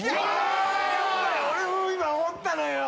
俺も今思ったのよ！